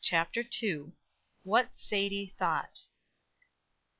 CHAPTER II. WHAT SADIE THOUGHT.